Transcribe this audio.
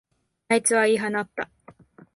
あいつは言い放った。